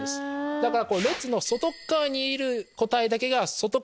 だから。